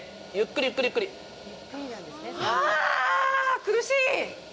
苦しい！